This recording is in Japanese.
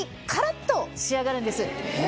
え？